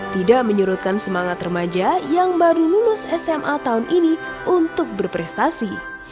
tidak menyurutkan semangat remaja yang baru lulus sma tahun ini untuk berprestasi